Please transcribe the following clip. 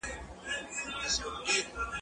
زه درسونه نه لوستل کوم؟!